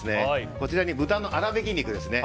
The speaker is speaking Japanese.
こちらに豚の粗びき肉ですね。